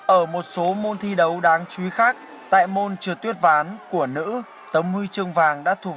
ở một số môn thi đấu đáng chú ý khác tại môn trượt tuyết ván của nữ tấm huy chương vàng đã thuộc